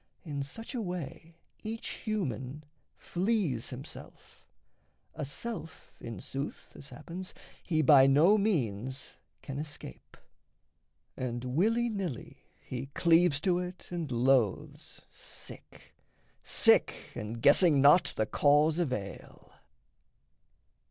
In such a way Each human flees himself a self in sooth, As happens, he by no means can escape; And willy nilly he cleaves to it and loathes, Sick, sick, and guessing not the cause of ail.